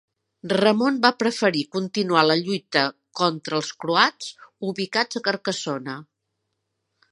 Ramon va preferir continuar la lluita contra els croats ubicats a Carcassona.